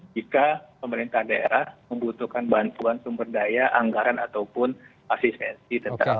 jika pemerintah daerah membutuhkan bantuan sumber daya anggaran ataupun asistensi